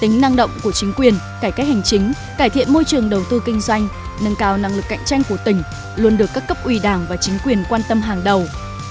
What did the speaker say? tính năng động của chính quyền cải cách hành chính cải thiện môi trường đầu tư kinh doanh nâng cao năng lực cạnh tranh của tỉnh luôn được các cấp ủy đảng và chính quyền quan tâm hàng đầu